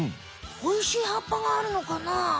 おいしい葉っぱがあるのかな？